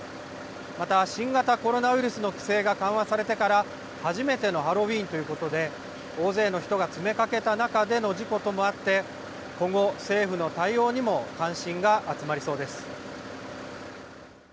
また、新型コロナウイルスの規制が緩和されてから初めてのハロウィーンということで、大勢の人が詰めかけた中での事故ともあって、今後、政府の対応にも関心が集まりそうです。